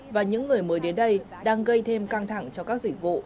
và những người mới đến đây đang gây thêm căng thẳng cho các dịch vụ